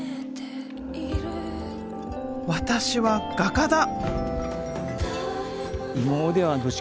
私は画家だ！